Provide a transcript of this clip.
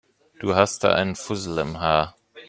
Du hast da einen Fussel im Haar.